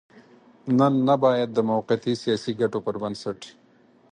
نن نه بايد د موقتي سياسي ګټو پر بنسټ.